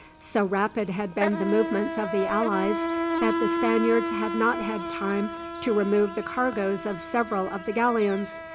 So rapid had been the movements of the allies, that the Spaniards had not had time to remove the cargoes of several of the galleons.